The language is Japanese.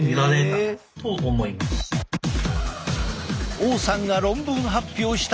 王さんが論文発表した新事実！